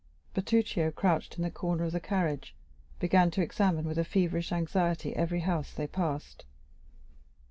Bertuccio, crouched in the corner of the carriage, began to examine with a feverish anxiety every house they passed.